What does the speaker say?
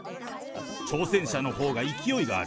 挑戦者のほうが勢いがある。